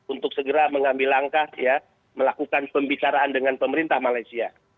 untuk segera mengambil langkah melakukan pembicaraan dengan pemerintah malaysia